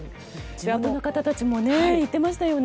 地元の方たちも言ってましたよね。